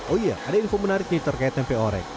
oh iya ada info menariknya terkait tempe orek